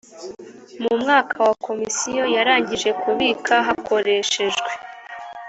mu mwaka wa komisiyo yarangije kubika hakoreshejwe